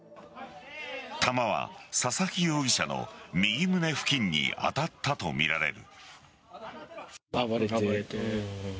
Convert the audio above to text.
弾は佐々木容疑者の右胸付近に当たったとみられる。